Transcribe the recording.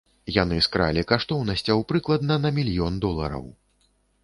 Яны скралі каштоўнасцяў прыкладна на мільён долараў.